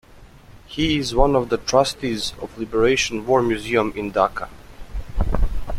He is one of the trustees of Liberation War Museum in Dhaka.